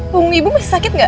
punggung ibu masih sakit gak